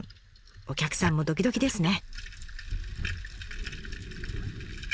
お客さんもドキドキですね。